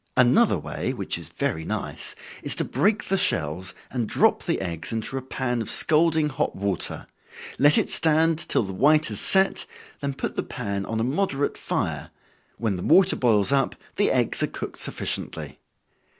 Another way which is very nice, is to break the shells, and drop the eggs into a pan of scalding hot water, let it stand till the white has set, then put the pan on a moderate fire, when the water boils up, the eggs are cooked sufficiently.